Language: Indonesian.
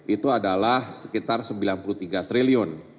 itu adalah sekitar rp sembilan puluh tiga triliun